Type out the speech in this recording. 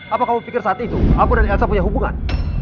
apa kamu pikir saat itu aku dan elsa punya hubungan